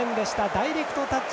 ダイレクトタッチ。